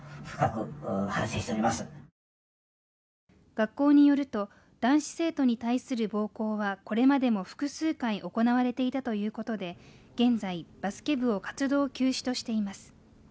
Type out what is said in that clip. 学校によると、男子生徒に対する暴行はこれまでも複数回行われていたということで現在、バスケ部を活動休止としています。